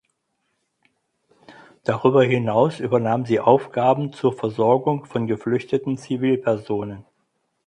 Darüber hinaus übernahm sie Aufgaben zur Versorgung von geflüchteten Zivilpersonen.